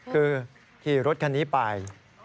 คือขี่รถคันนี้ไป